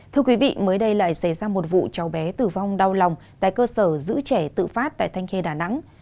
thưa quý vị mới đây lại xảy ra một vụ cháu bé tử vong đau lòng tại cơ sở giữ trẻ tự phát tại thanh khê đà nẵng